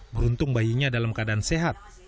beruntung bayinya dalam keadaan sehat